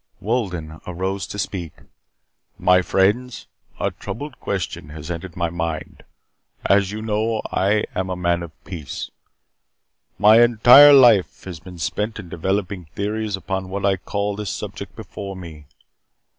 Wolden arose to speak. "My friends, a troubled question has entered my mind. As you know, I am a man of peace. My entire life has been spent in developing theories upon what I call this subject before me.